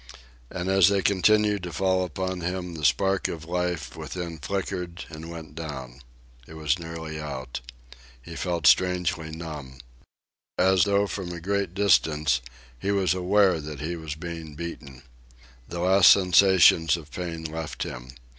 And as they continued to fall upon him, the spark of life within flickered and went down. It was nearly out. He felt strangely numb. As though from a great distance, he was aware that he was being beaten. The last sensations of pain left him.